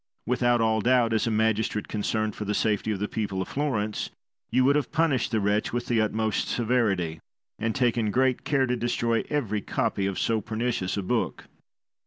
Without all doubt, as a magistrate concerned for the safety of the people of Florence, you would have punished the wretch with the utmost severity, and taken great care to destroy every copy of so pernicious a book.